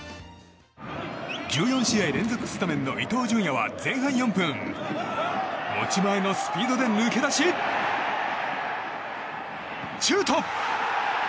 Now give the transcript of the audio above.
１４試合連続スタメンの伊東純也は前半４分持ち前のスピードで抜け出しシュート！